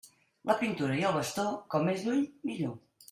La pintura i el bastó, com més lluny millor.